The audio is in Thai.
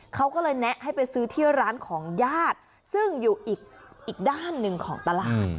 เขาก็เลยแนะให้ไปซื้อที่ร้านของญาติซึ่งอยู่อีกด้านหนึ่งของตลาด